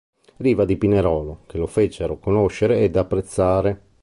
Riva di Pinerolo, che lo fecero conoscere ed apprezzare.